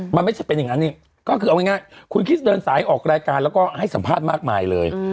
มันไม่ใช่เป็นอย่างนั้นนี่ก็คือเอาง่ายคุณคริสเดินสายออกรายการแล้วก็ให้สัมภาษณ์มากมายเลย